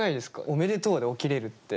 「おめでとう」で起きれるって。